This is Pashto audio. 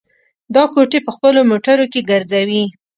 دا کوټې په خپلو موټرو کې ګرځوي.